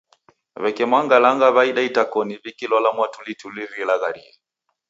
Weke mwangalanga waida itakoni wikilola mwatulituli rilagharie